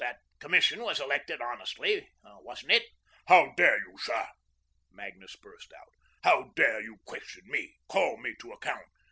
That Commission was elected honestly, wasn't it?" "How dare you, sir!" Magnus burst out. "How dare you question me call me to account!